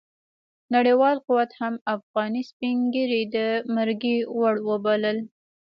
نړیوال قوت هم افغاني سپين ږيري د مرګي وړ وبلل.